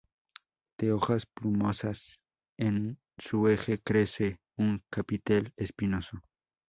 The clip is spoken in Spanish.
De hojas plumosas, en su eje crece un capitel espinoso.